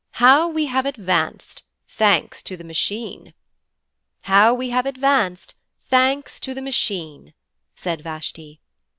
How we have advanced, thanks to the Machine!' 'How we have advanced, thanks to the Machine!' said Vashti.